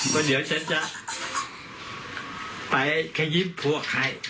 เพราะเดี๋ยวฉันจะไปขยิ้มผัวไข่